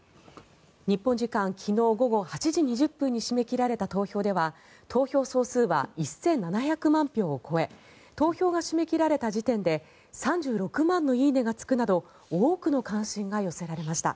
日本時間昨日午後８時２０分に締め切られた投票では投票総数は１７００万票を超え投票が締め切られた時点で３６万の「いいね」がつくなど多くの関心が寄せられました。